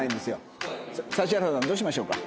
指原さんどうしましょうか？